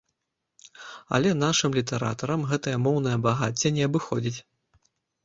Але нашым літаратарам гэтае моўнае багацце не абыходзіць.